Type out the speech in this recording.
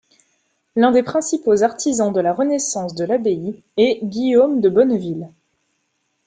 L'un des principaux artisans de la renaissance de l'abbaye est Guillaume de Bonneville.